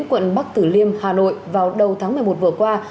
quận bắc tử liêm hà nội vào đầu tháng một mươi một vừa qua